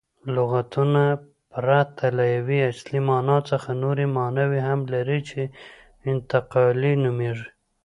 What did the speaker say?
لغتونه پرته له یوې اصلي مانا څخه نوري ماناوي هم لري، چي انتقالي نومیږي.